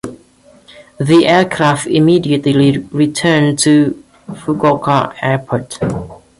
The aircraft immediately returned to Fukuoka Airport.